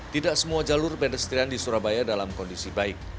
tidak semua jalur pedestrian di surabaya dalam kondisi baik